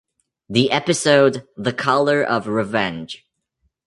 The episode The Color of Revenge!